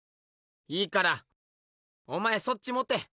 いいからお前そっち持て！